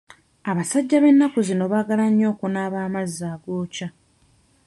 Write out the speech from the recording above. Abasajja b'ennaku zino baagala nnyo okunaaba amazzi agookya.